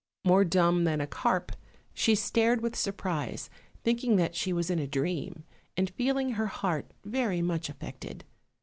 More dumb than a carp, she stared with surprise, thinking that she was in a dream, and feeling her heart very much affected.